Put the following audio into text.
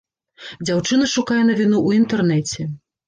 Дзяўчына шукае навіну ў інтэрнэце.